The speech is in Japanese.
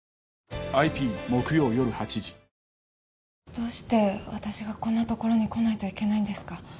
どうして私がこんな所に来ないといけないんですか？